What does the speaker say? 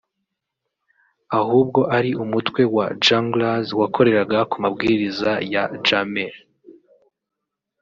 ahubwo ari umutwe wa Junglers wakoreraga ku mabwiriza ya Jammeh